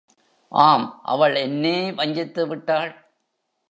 ஆம் அவள் என்னே வஞ்சித்து விட்டாள்.